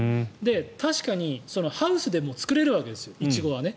確かにハウスでも作れるわけですよ、イチゴはね。